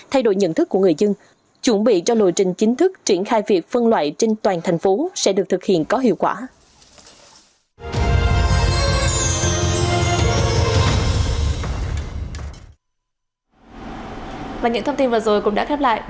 thay đổi nhận thức của người dân chuẩn bị cho lộ trình chính thức triển khai việc phân loại trên toàn thành phố sẽ được thực hiện có hiệu quả